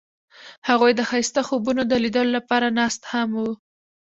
هغوی د ښایسته خوبونو د لیدلو لپاره ناست هم وو.